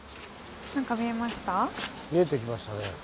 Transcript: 見えてきましたね。